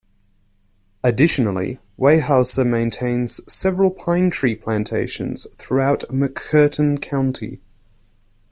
Additionally, Weyerhaeuser maintains several pine tree plantations throughout McCurtain County.